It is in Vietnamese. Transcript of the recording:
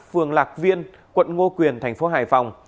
phường lạc viên quận ngo quyền tp hải phòng